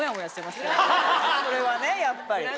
それはねやっぱり。